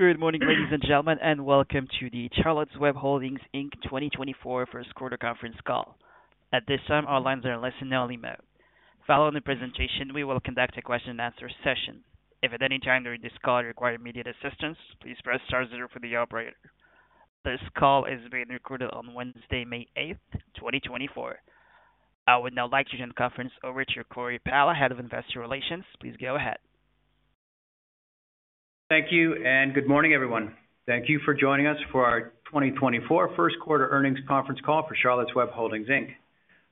Good morning, ladies and gentlemen, and welcome to the Charlotte's Web Holdings, Inc. 2024 first quarter conference call. At this time, our lines are in listen-only mode. Following the presentation, we will conduct a question-and-answer session. If at any time during this call you require immediate assistance, please press star zero for the operator. This call is being recorded on Wednesday, May 8, 2024. I would now like to turn the conference over to Corey Powell, Head of Investor Relations. Please go ahead. Thank you, and good morning, everyone. Thank you for joining us for our 2024 first quarter earnings conference call for Charlotte's Web Holdings, Inc.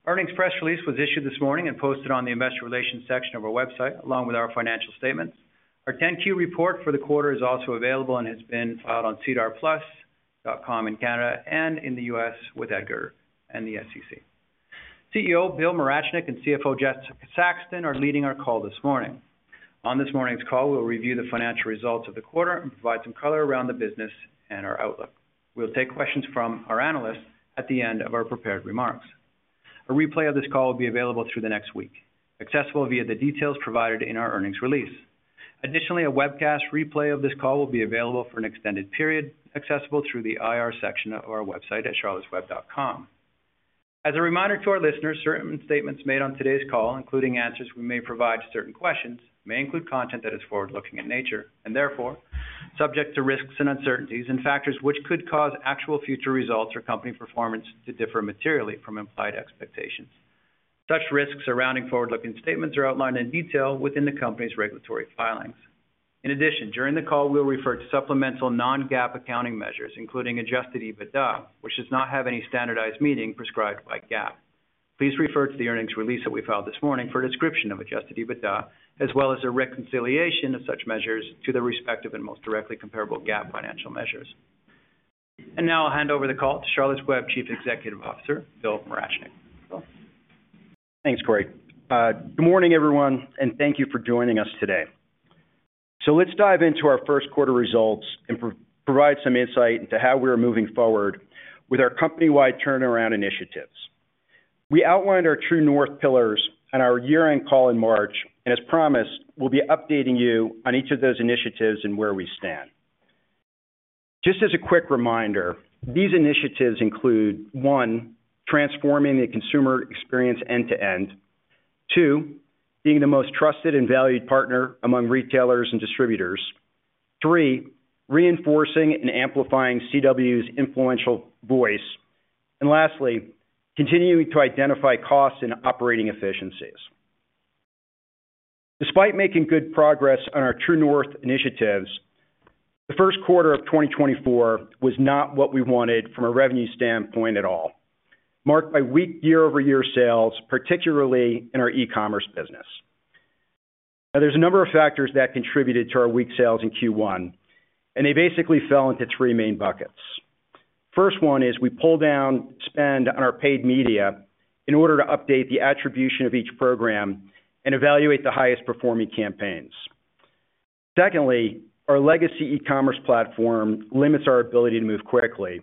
Earnings press release was issued this morning and posted on the investor relations section of our website, along with our financial statements. Our 10-Q report for the quarter is also available and has been filed on SEDAR+.com in Canada and in the US with EDGAR and the SEC. CEO Bill Morachnick and CFO Jessica Saxton are leading our call this morning. On this morning's call, we'll review the financial results of the quarter and provide some color around the business and our outlook. We'll take questions from our analysts at the end of our prepared remarks. A replay of this call will be available through the next week, accessible via the details provided in our earnings release. Additionally, a webcast replay of this call will be available for an extended period, accessible through the IR section of our website at charlottesweb.com. As a reminder to our listeners, certain statements made on today's call, including answers we may provide to certain questions, may include content that is forward-looking in nature, and therefore, subject to risks and uncertainties and factors which could cause actual future results or company performance to differ materially from implied expectations. Such risks surrounding forward-looking statements are outlined in detail within the company's regulatory filings. In addition, during the call, we'll refer to supplemental non-GAAP accounting measures, including Adjusted EBITDA, which does not have any standardized meaning prescribed by GAAP. Please refer to the earnings release that we filed this morning for a description of Adjusted EBITDA, as well as a reconciliation of such measures to the respective and most directly comparable GAAP financial measures. Now I'll hand over the call to Charlotte's Web Chief Executive Officer, Bill Morachnick. Bill? Thanks, Cory. Good morning, everyone, and thank you for joining us today. Let's dive into our first quarter results and provide some insight into how we are moving forward with our company-wide turnaround initiatives. We outlined our True North pillars on our year-end call in March, and as promised, we'll be updating you on each of those initiatives and where we stand. Just as a quick reminder, these initiatives include, 1, transforming the consumer experience end to end. 2, being the most trusted and valued partner among retailers and distributors. 3, reinforcing and amplifying CW's influential voice. And lastly, continuing to identify costs and operating efficiencies. Despite making good progress on our True North initiatives, the first quarter of 2024 was not what we wanted from a revenue standpoint at all, marked by weak year-over-year sales, particularly in our e-commerce business. Now, there's a number of factors that contributed to our weak sales in Q1, and they basically fell into three main buckets. First one is we pulled down spend on our paid media in order to update the attribution of each program and evaluate the highest-performing campaigns. Secondly, our legacy e-commerce platform limits our ability to move quickly.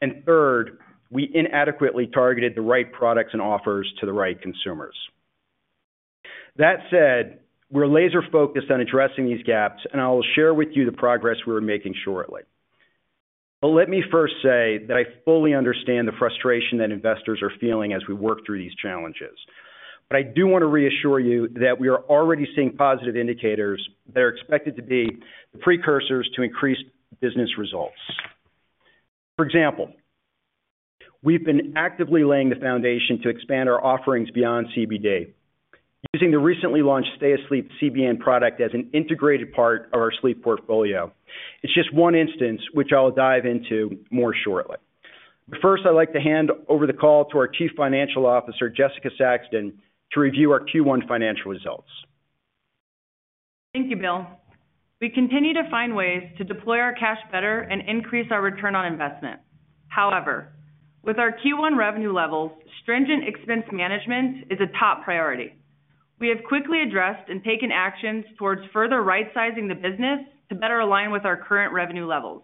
And third, we inadequately targeted the right products and offers to the right consumers. That said, we're laser-focused on addressing these gaps, and I will share with you the progress we are making shortly. But let me first say that I fully understand the frustration that investors are feeling as we work through these challenges. But I do want to reassure you that we are already seeing positive indicators that are expected to be the precursors to increased business results. For example, we've been actively laying the foundation to expand our offerings beyond CBD, using the recently launched Stay Asleep CBN product as an integrated part of our sleep portfolio. It's just one instance, which I'll dive into more shortly. But first, I'd like to hand over the call to our Chief Financial Officer, Jessica Saxton, to review our Q1 financial results. Thank you, Bill. We continue to find ways to deploy our cash better and increase our return on investment. However, with our Q1 revenue levels, stringent expense management is a top priority. We have quickly addressed and taken actions towards further right-sizing the business to better align with our current revenue levels.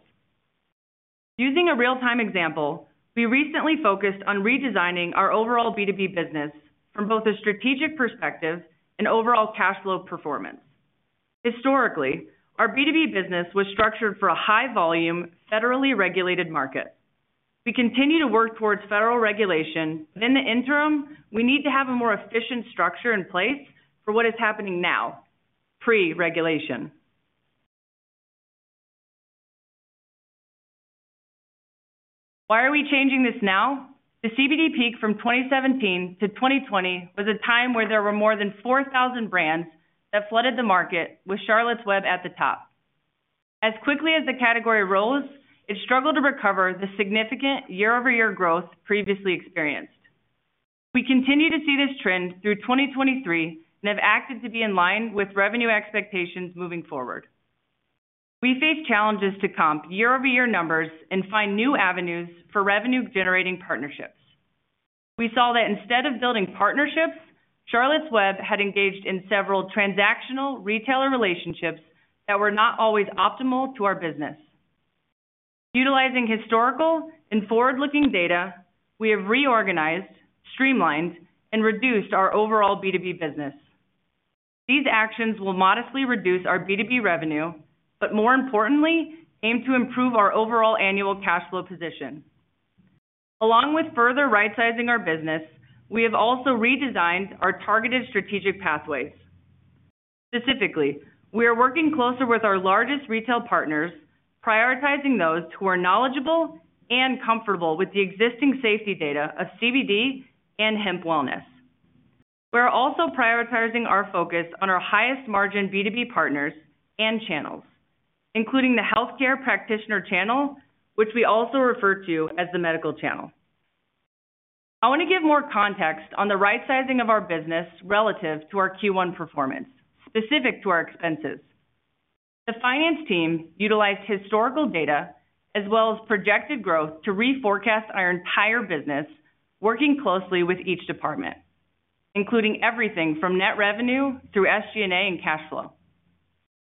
Using a real-time example, we recently focused on redesigning our overall B2B business from both a strategic perspective and overall cash flow performance. Historically, our B2B business was structured for a high volume, federally regulated market. We continue to work towards federal regulation, but in the interim, we need to have a more efficient structure in place for what is happening now, pre-regulation. Why are we changing this now? The CBD peak from 2017 to 2020 was a time where there were more than 4,000 brands that flooded the market, with Charlotte's Web at the top. As quickly as the category rose, it struggled to recover the significant year-over-year growth previously experienced. We continue to see this trend through 2023 and have acted to be in line with revenue expectations moving forward. We face challenges to comp year-over-year numbers and find new avenues for revenue-generating partnerships. We saw that instead of building partnerships, Charlotte's Web had engaged in several transactional retailer relationships that were not always optimal to our business. Utilizing historical and forward-looking data, we have reorganized, streamlined, and reduced our overall B2B business. These actions will modestly reduce our B2B revenue, but more importantly, aim to improve our overall annual cash flow position. Along with further rightsizing our business, we have also redesigned our targeted strategic pathways. Specifically, we are working closer with our largest retail partners, prioritizing those who are knowledgeable and comfortable with the existing safety data of CBD and hemp wellness. We're also prioritizing our focus on our highest margin B2B partners and channels, including the healthcare practitioner channel, which we also refer to as the medical channel. I want to give more context on the rightsizing of our business relative to our Q1 performance, specific to our expenses. The finance team utilized historical data as well as projected growth to reforecast our entire business, working closely with each department, including everything from net revenue through SG&A and cash flow.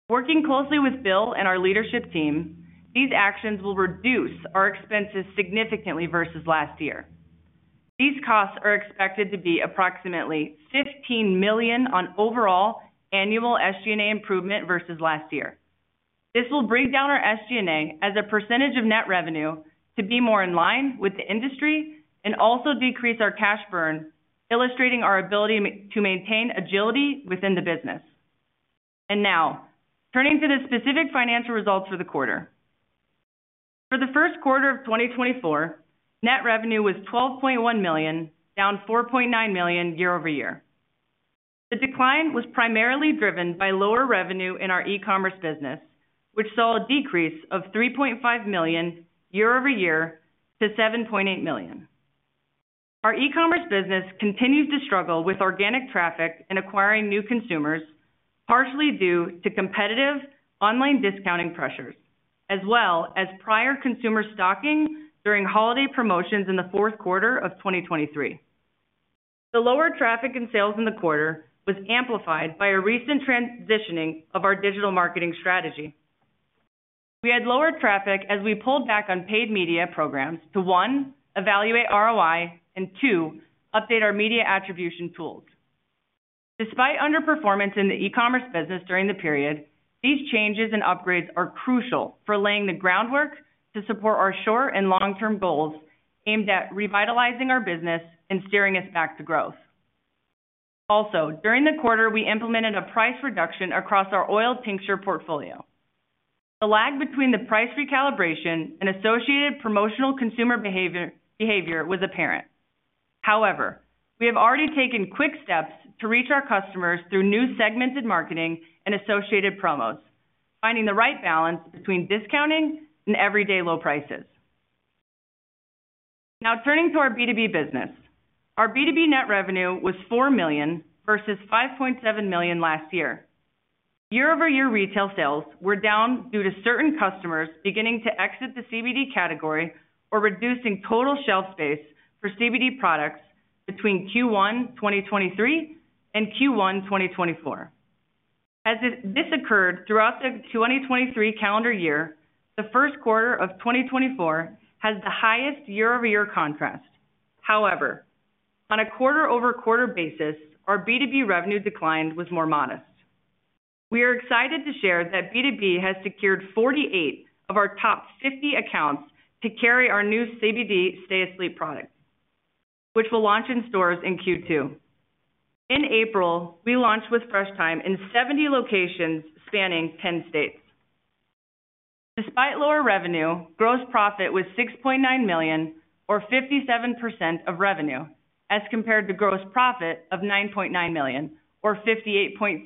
Working closely with Bill and our leadership team, these actions will reduce our expenses significantly versus last year. These costs are expected to be approximately $15 million on overall annual SG&A improvement versus last year. This will bring down our SG&A as a percentage of net revenue to be more in line with the industry and also decrease our cash burn, illustrating our ability to maintain agility within the business. Now, turning to the specific financial results for the quarter. For the first quarter of 2024, net revenue was $12.1 million, down $4.9 million year-over-year. The decline was primarily driven by lower revenue in our e-commerce business, which saw a decrease of $3.5 million year-over-year to $7.8 million. Our e-commerce business continues to struggle with organic traffic and acquiring new consumers, partially due to competitive online discounting pressures, as well as prior consumer stocking during holiday promotions in the fourth quarter of 2023. The lower traffic and sales in the quarter was amplified by a recent transitioning of our digital marketing strategy. We had lower traffic as we pulled back on paid media programs to, 1, evaluate ROI, and 2, update our media attribution tools. Despite underperformance in the e-commerce business during the period, these changes and upgrades are crucial for laying the groundwork to support our short and long-term goals aimed at revitalizing our business and steering us back to growth. Also, during the quarter, we implemented a price reduction across our oil tincture portfolio. The lag between the price recalibration and associated promotional consumer behavior was apparent. However, we have already taken quick steps to reach our customers through new segmented marketing and associated promos, finding the right balance between discounting and everyday low prices. Now turning to our B2B business. Our B2B net revenue was $4 million versus $5.7 million last year. Year-over-year retail sales were down due to certain customers beginning to exit the CBD category or reducing total shelf space for CBD products between Q1 2023 and Q1 2024. As this occurred throughout the 2023 calendar year, the first quarter of 2024 has the highest year-over-year contrast. However, on a quarter-over-quarter basis, our B2B revenue decline was more modest. We are excited to share that B2B has secured 48 of our top 50 accounts to carry our new CBD Stay Asleep product, which will launch in stores in Q2. In April, we launched with Fresh Thyme in 70 locations spanning 10 states. Despite lower revenue, gross profit was $6.9 million or 57% of revenue, as compared to gross profit of $9.9 million, or 58.3%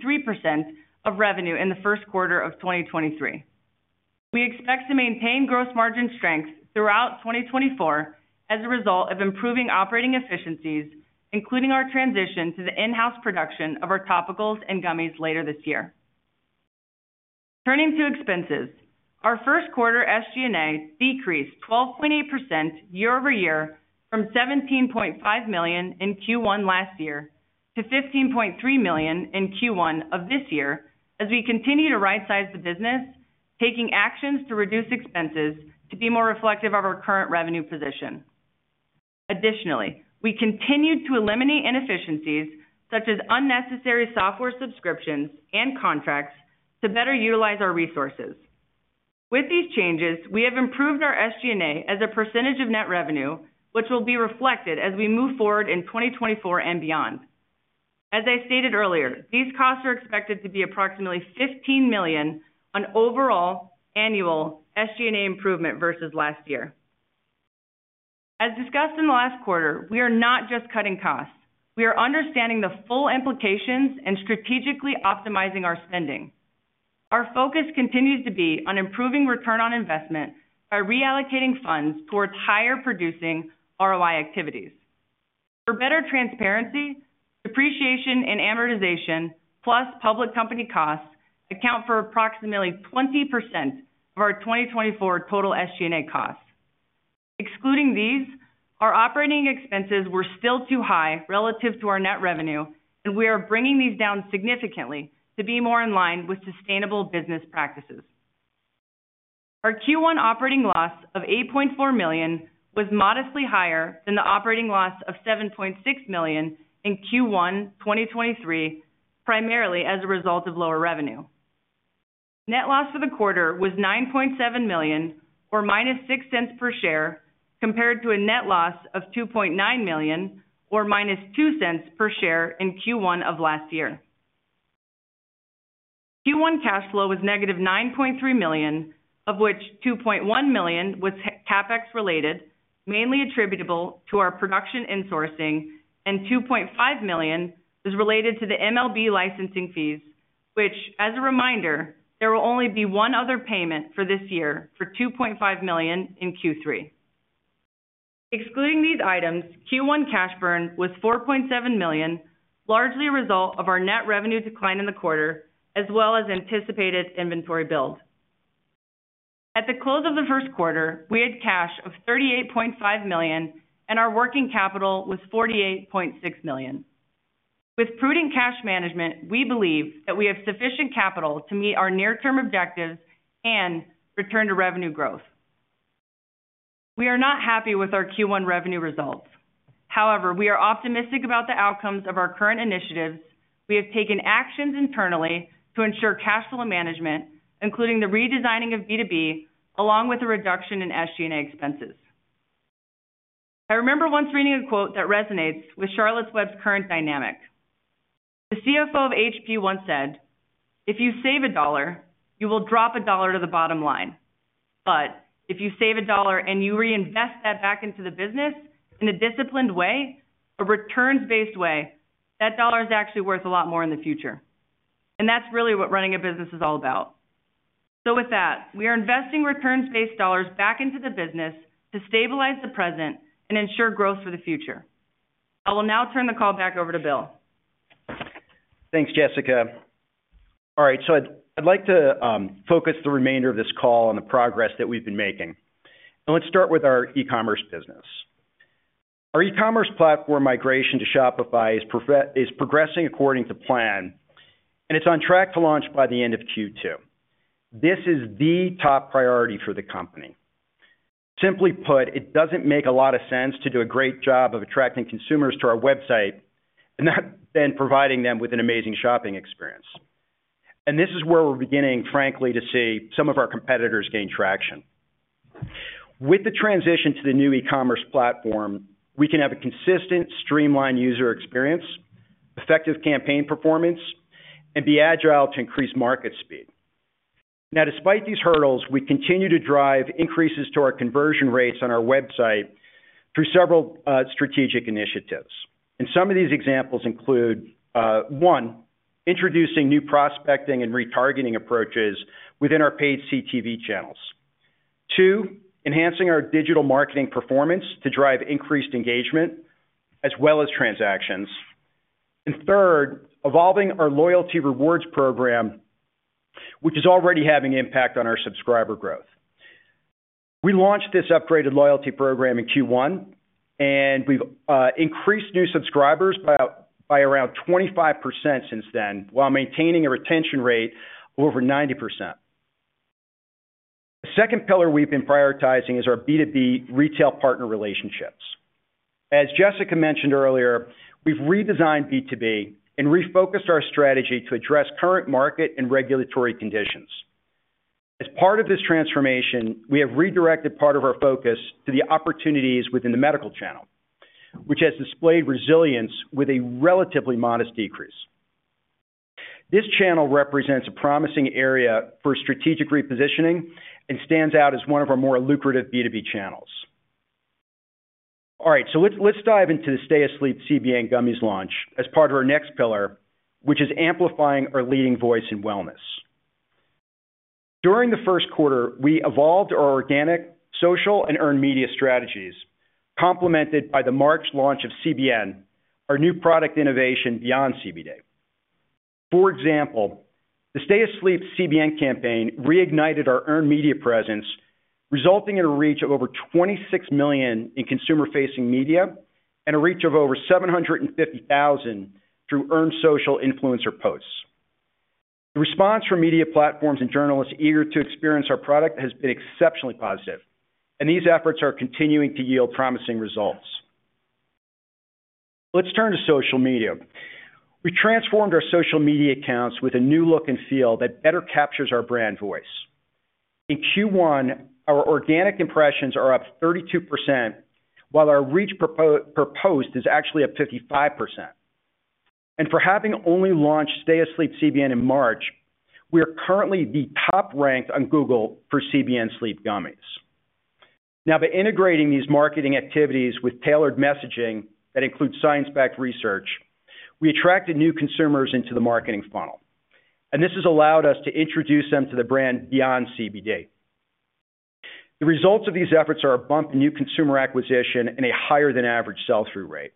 of revenue in the first quarter of 2023. We expect to maintain gross margin strength throughout 2024 as a result of improving operating efficiencies, including our transition to the in-house production of our topicals and gummies later this year. Turning to expenses. Our first quarter SG&A decreased 12.8% year-over-year from $17.5 million in Q1 last year to $15.3 million in Q1 of this year, as we continue to right-size the business, taking actions to reduce expenses to be more reflective of our current revenue position. Additionally, we continued to eliminate inefficiencies such as unnecessary software subscriptions and contracts to better utilize our resources. With these changes, we have improved our SG&A as a percentage of net revenue, which will be reflected as we move forward in 2024 and beyond. As I stated earlier, these costs are expected to be approximately $15 million on overall annual SG&A improvement versus last year. As discussed in the last quarter, we are not just cutting costs. We are understanding the full implications and strategically optimizing our spending. Our focus continues to be on improving return on investment by reallocating funds towards higher producing ROI activities. For better transparency, depreciation and amortization, plus public company costs, account for approximately 20% of our 2024 total SG&A costs. excluding these, our operating expenses were still too high relative to our net revenue, and we are bringing these down significantly to be more in line with sustainable business practices. Our Q1 operating loss of $8.4 million was modestly higher than the operating loss of $7.6 million in Q1 2023, primarily as a result of lower revenue. Net loss for the quarter was $9.7 million, or -$0.06 per share, compared to a net loss of $2.9 million, or -$0.02 per share in Q1 of last year. Q1 cash flow was -$9.3 million, of which $2.1 million was CapEx related, mainly attributable to our production insourcing, and $2.5 million was related to the MLB licensing fees, which, as a reminder, there will only be one other payment for this year for $2.5 million in Q3. Excluding these items, Q1 cash burn was $4.7 million, largely a result of our net revenue decline in the quarter, as well as anticipated inventory build. At the close of the first quarter, we had cash of $38.5 million, and our working capital was $48.6 million. With prudent cash management, we believe that we have sufficient capital to meet our near-term objectives and return to revenue growth. We are not happy with our Q1 revenue results. However, we are optimistic about the outcomes of our current initiatives. We have taken actions internally to ensure cash flow management, including the redesigning of B2B, along with a reduction in SG&A expenses. I remember once reading a quote that resonates with Charlotte's Web's current dynamic. The CFO of HP once said, "If you save a dollar, you will drop a dollar to the bottom line. But if you save a dollar and you reinvest that back into the business in a disciplined way, a returns-based way, that dollar is actually worth a lot more in the future." And that's really what running a business is all about. So with that, we are investing returns-based dollars back into the business to stabilize the present and ensure growth for the future. I will now turn the call back over to Bill. Thanks, Jessica. All right, so I'd like to focus the remainder of this call on the progress that we've been making. Let's start with our e-commerce business. Our e-commerce platform migration to Shopify is progressing according to plan, and it's on track to launch by the end of Q2. This is the top priority for the company. Simply put, it doesn't make a lot of sense to do a great job of attracting consumers to our website and not then providing them with an amazing shopping experience. This is where we're beginning, frankly, to see some of our competitors gain traction. With the transition to the new e-commerce platform, we can have a consistent, streamlined user experience, effective campaign performance, and be agile to increase market speed. Now, despite these hurdles, we continue to drive increases to our conversion rates on our website through several strategic initiatives. Some of these examples include one, introducing new prospecting and retargeting approaches within our paid CTV channels. Two, enhancing our digital marketing performance to drive increased engagement as well as transactions. And third, evolving our loyalty rewards program, which is already having impact on our subscriber growth. We launched this upgraded loyalty program in Q1, and we've increased new subscribers by around 25% since then, while maintaining a retention rate over 90%. The second pillar we've been prioritizing is our B2B retail partner relationships. As Jessica mentioned earlier, we've redesigned B2B and refocused our strategy to address current market and regulatory conditions. As part of this transformation, we have redirected part of our focus to the opportunities within the medical channel, which has displayed resilience with a relatively modest decrease. This channel represents a promising area for strategic repositioning and stands out as one of our more lucrative B2B channels. All right, so let's, let's dive into the Stay Asleep CBN Gummies launch as part of our next pillar, which is amplifying our leading voice in wellness. During the first quarter, we evolved our organic, social, and earned media strategies, complemented by the March launch of CBN, our new product innovation beyond CBD. For example, the Stay Asleep CBN campaign reignited our earned media presence, resulting in a reach of over 26 million in consumer-facing media and a reach of over 750,000 through earned social influencer posts. The response from media platforms and journalists eager to experience our product has been exceptionally positive, and these efforts are continuing to yield promising results. Let's turn to social media. We transformed our social media accounts with a new look and feel that better captures our brand voice. In Q1, our organic impressions are up 32%, while our reach per post is actually up 55%. And for having only launched Stay Asleep CBN in March, we are currently the top rank on Google for CBN sleep gummies. Now, by integrating these marketing activities with tailored messaging that includes science-backed research, we attracted new consumers into the marketing funnel, and this has allowed us to introduce them to the brand beyond CBD. The results of these efforts are a bump in new consumer acquisition and a higher than average sell-through rate.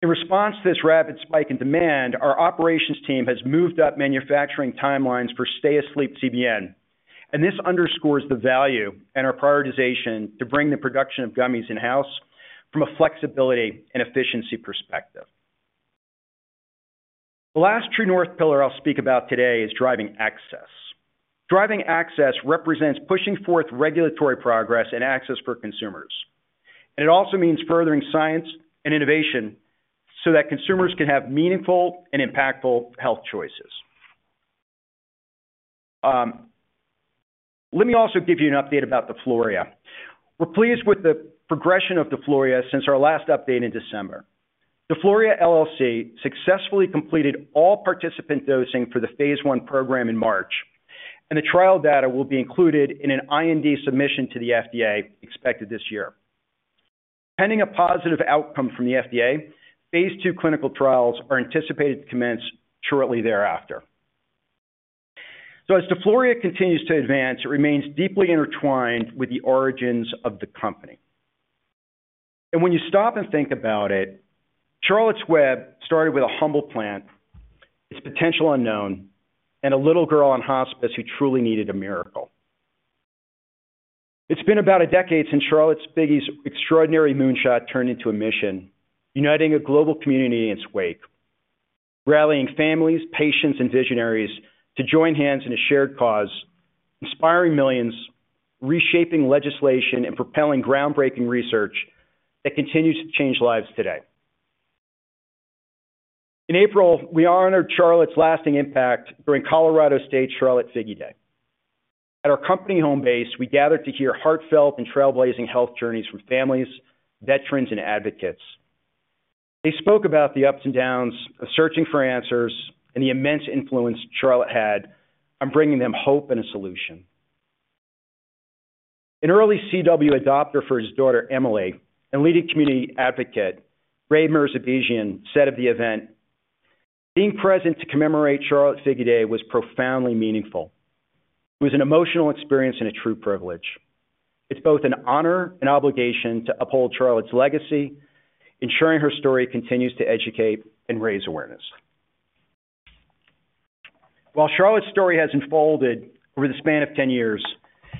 In response to this rapid spike in demand, our operations team has moved up manufacturing timelines for Stay Asleep CBN, and this underscores the value and our prioritization to bring the production of gummies in-house from a flexibility and efficiency perspective. The last true north pillar I'll speak about today is driving access. Driving access represents pushing forth regulatory progress and access for consumers, and it also means furthering science and innovation so that consumers can have meaningful and impactful health choices. Let me also give you an update about the DeFloria. We're pleased with the progression of DeFloria since our last update in December. DeFloria LLC successfully completed all participant dosing for the phase one program in March, and the trial data will be included in an IND submission to the FDA, expected this year. Pending a positive outcome from the FDA, phase two clinical trials are anticipated to commence shortly thereafter. So as DeFloria continues to advance, it remains deeply intertwined with the origins of the company. And when you stop and think about it, Charlotte's Web started with a humble plant, its potential unknown, and a little girl on hospice who truly needed a miracle. It's been about a decade since Charlotte Figi's extraordinary moonshot turned into a mission, uniting a global community in its wake, rallying families, patients and visionaries to join hands in a shared cause, inspiring millions, reshaping legislation and propelling groundbreaking research that continues to change lives today. In April, we honored Charlotte's lasting impact during Colorado's Charlotte Figi Day. At our company home base, we gathered to hear heartfelt and trailblazing health journeys from families, veterans, and advocates. They spoke about the ups and downs of searching for answers and the immense influence Charlotte had on bringing them hope and a solution. An early CW adopter for his daughter, Emily, and leading community advocate, Ray Mirzabegian, said of the event, "Being present to commemorate Charlotte Figi Day was profoundly meaningful. It was an emotional experience and a true privilege. It's both an honor and obligation to uphold Charlotte's legacy, ensuring her story continues to educate and raise awareness." While Charlotte's story has unfolded over the span of 10 years,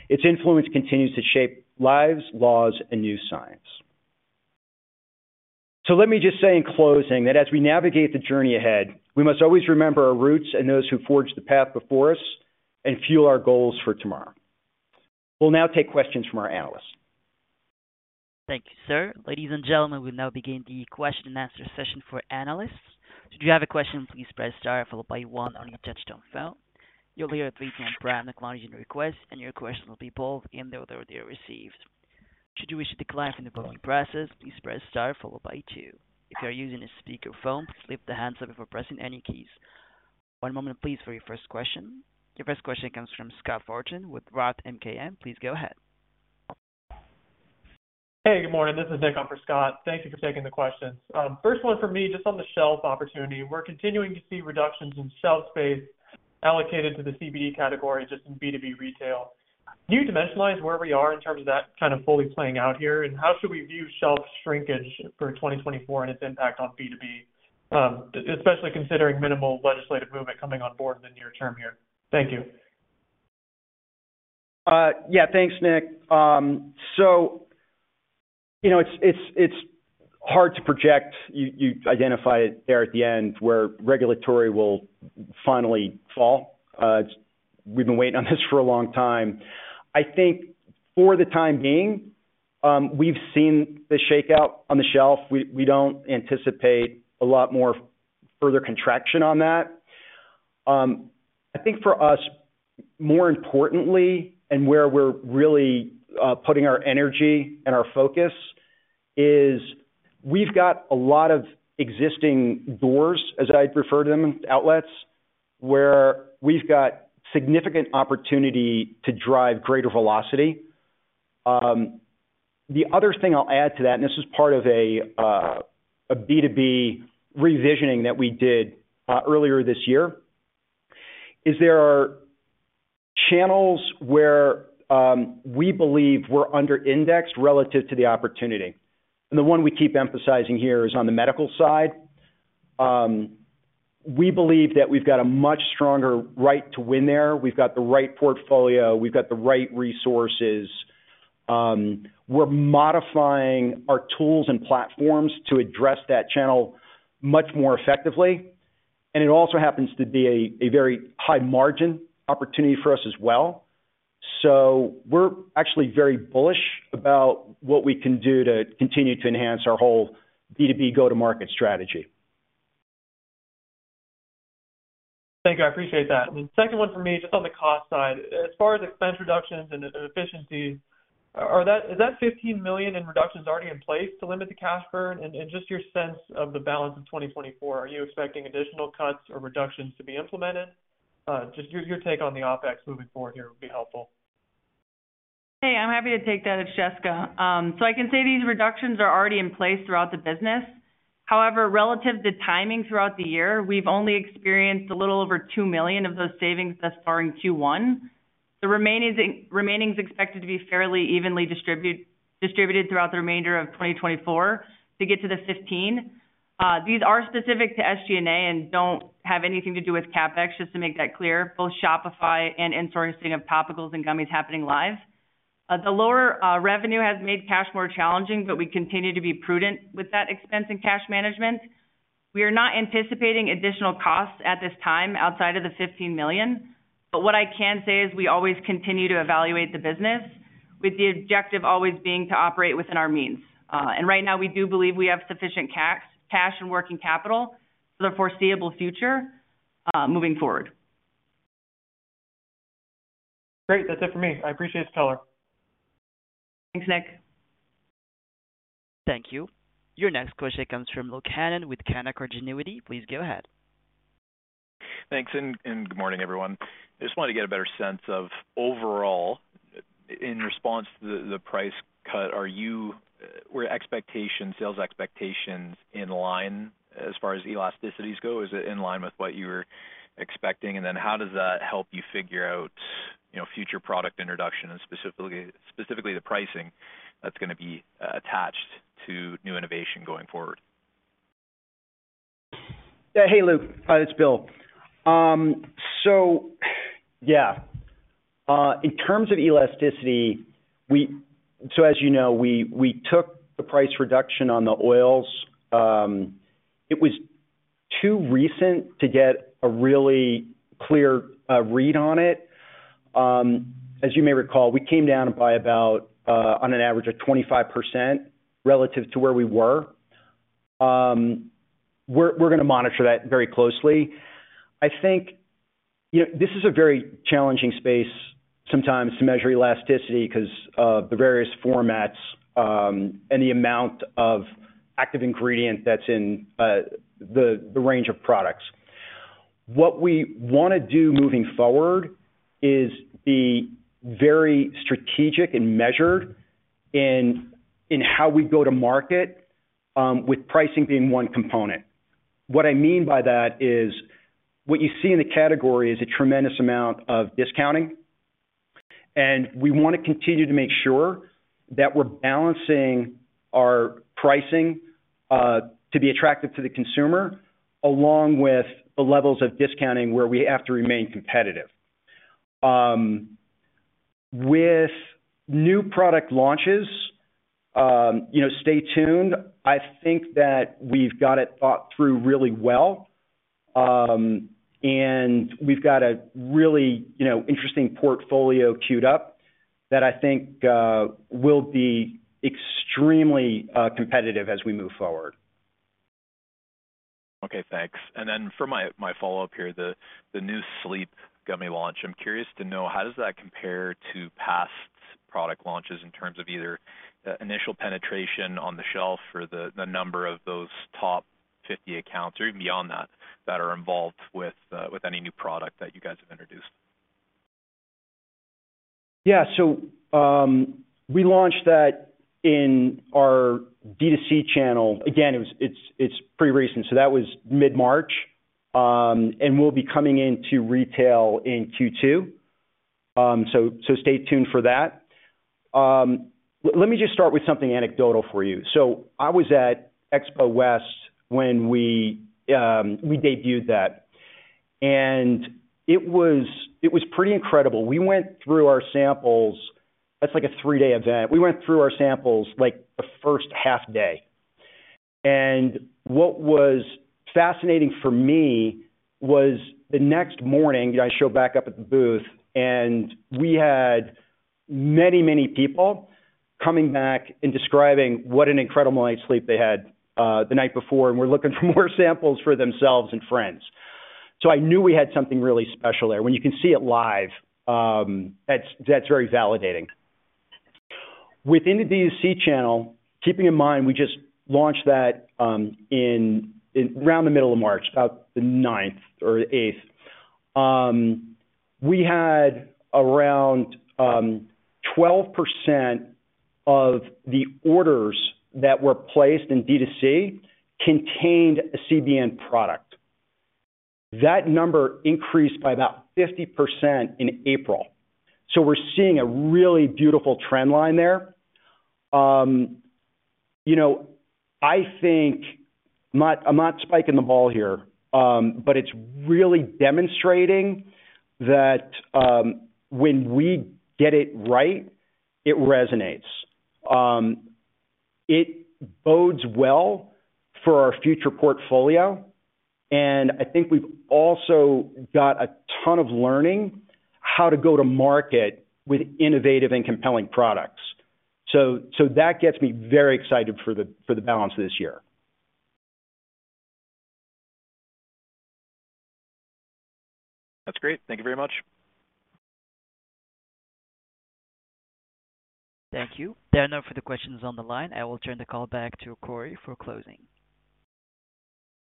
its influence continues to shape lives, laws, and new science. Let me just say in closing, that as we navigate the journey ahead, we must always remember our roots and those who forged the path before us and fuel our goals for tomorrow. We'll now take questions from our analysts. Thank you, sir. Ladies and gentlemen, we'll now begin the question and answer session for analysts. If you have a question, please press star followed by one on your touchtone phone. You'll hear a three-tone prompt acknowledging your request, and your question will be pulled in the order they are received. Should you wish to decline from the voting process, please press star followed by two. If you are using a speakerphone, please lift the handset before pressing any keys. One moment, please, for your first question. Your first question comes from Scott Fortune with Roth MKM. Please go ahead. Hey, good morning. This is Nick on for Scott. Thank you for taking the questions. First one for me, just on the shelf opportunity. We're continuing to see reductions in shelf space allocated to the CBD category, just in B2B retail. Can you dimensionalize where we are in terms of that kind of fully playing out here? And how should we view shelf shrinkage for 2024 and its impact on B2B, especially considering minimal legislative movement coming on board in the near term here? Thank you. Yeah, thanks, Nick. So, you know, it's hard to project. You identified it there at the end, where regulatory will finally fall. We've been waiting on this for a long time. I think for the time being, we've seen the shakeout on the shelf. We don't anticipate a lot more further contraction on that. I think for us, more importantly, and where we're really putting our energy and our focus is we've got a lot of existing doors, as I'd refer to them, outlets, where we've got significant opportunity to drive greater velocity. The other thing I'll add to that, and this is part of a B2B revisioning that we did earlier this year, is there are channels where we believe we're under indexed relative to the opportunity. The one we keep emphasizing here is on the medical side. We believe that we've got a much stronger right to win there. We've got the right portfolio, we've got the right resources. We're modifying our tools and platforms to address that channel much more effectively, and it also happens to be a very high margin opportunity for us as well. So we're actually very bullish about what we can do to continue to enhance our whole B2B go-to-market strategy. Thank you. I appreciate that. The second one for me, just on the cost side. As far as expense reductions and efficiency, is that $15 million in reductions already in place to limit the cash burn? And just your sense of the balance of 2024, are you expecting additional cuts or reductions to be implemented? Just your take on the OpEx moving forward here would be helpful. Hey, I'm happy to take that. It's Jessica. So I can say these reductions are already in place throughout the business. However, relative to timing throughout the year, we've only experienced a little over $2 million of those savings thus far in Q1. The remaining is, remaining is expected to be fairly evenly distribute, distributed throughout the remainder of 2024 to get to the $15 million. These are specific to SG&A and don't have anything to do with CapEx, just to make that clear. Both Shopify and insourcing of topicals and gummies happening live. The lower revenue has made cash more challenging, but we continue to be prudent with that expense and cash management. We are not anticipating additional costs at this time outside of the $15 million, but what I can say is we always continue to evaluate the business, with the objective always being to operate within our means. And right now, we do believe we have sufficient cash and working capital for the foreseeable future, moving forward. Great. That's it for me. I appreciate it the color. Thanks, Nick. Thank you. Your next question comes from Luke Hannan with Canaccord Genuity. Please go ahead. Thanks, and good morning, everyone. I just wanted to get a better sense of overall, in response to the price cut, were expectations, sales expectations in line as far as elasticities go? Is it in line with what you were expecting? And then how does that help you figure out, you know, future product introduction and specifically the pricing that's gonna be attached to new innovation going forward? Yeah. Hey, Luke, it's Bill. So yeah. In terms of elasticity, so as you know, we took the price reduction on the oils. It was too recent to get a really clear read on it. As you may recall, we came down by about, on an average of 25% relative to where we were. We're gonna monitor that very closely. I think, you know, this is a very challenging space sometimes to measure elasticity because of the various formats, and the amount of active ingredient that's in the range of products. What we wanna do moving forward is be very strategic and measured in how we go to market, with pricing being one component. What I mean by that is, what you see in the category is a tremendous amount of discounting, and we want to continue to make sure that we're balancing our pricing to be attractive to the consumer, along with the levels of discounting where we have to remain competitive. With new product launches, you know, stay tuned. I think that we've got it thought through really well, and we've got a really, you know, interesting portfolio queued up that I think will be extremely competitive as we move forward. Okay, thanks. And then for my follow-up here, the new sleep gummy launch. I'm curious to know, how does that compare to past product launches in terms of either initial penetration on the shelf or the number of those top 50 accounts, or even beyond that, that are involved with any new product that you guys have introduced? Yeah. So, we launched that in our D2C channel. Again, it was, it's pretty recent, so that was mid-March. And we'll be coming into retail in Q2. So stay tuned for that. Let me just start with something anecdotal for you. So I was at Expo West when we debuted that, and it was pretty incredible. We went through our samples. That's like a three-day event. We went through our samples, like, the first half day. And what was fascinating for me was the next morning, I show back up at the booth, and we had many, many people coming back and describing what an incredible night's sleep they had, the night before and were looking for more samples for themselves and friends. So I knew we had something really special there. When you can see it live, that's, that's very validating. Within the D2C channel, keeping in mind we just launched that, in around the middle of March, about the ninth or the eighth, we had around 12% of the orders that were placed in D2C contained a CBN product. That number increased by about 50% in April, so we're seeing a really beautiful trend line there. You know, I think, I'm not spiking the ball here, but it's really demonstrating that, when we get it right, it resonates. It bodes well for our future portfolio, and I think we've also got a ton of learning how to go to market with innovative and compelling products. So that gets me very excited for the balance of this year. That's great. Thank you very much. Thank you. There are no further questions on the line. I will turn the call back to Corey for closing.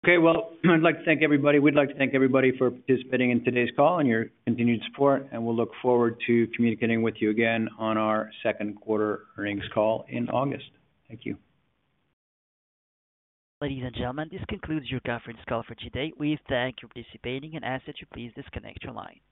Okay, well, I'd like to thank everybody. We'd like to thank everybody for participating in today's call and your continued support, and we'll look forward to communicating with you again on our second quarter earnings call in August. Thank you. Ladies and gentlemen, this concludes your conference call for today. We thank you for participating and ask that you please disconnect your line. Have a great day.